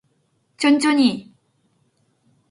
천천히!